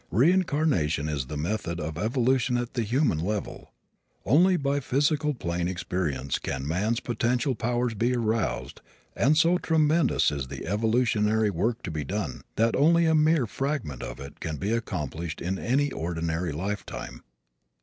Reincarnation is the method of evolution at the human level. Only by physical plane experience can man's potential powers be aroused and so tremendous is the evolutionary work to be done that only a mere fragment of it can be accomplished in an ordinary lifetime.